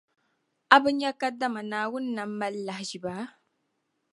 A bi nya kadama Naawuni nam mali lahaʒiba?